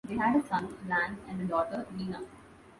They had a son, Lance, and a daughter, Nina.